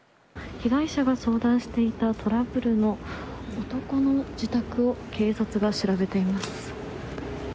被害者が相談していたトラブルの男の自宅を警察が調べています。